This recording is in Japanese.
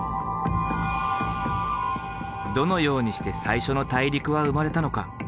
どのようにして最初の大陸は生まれたのか？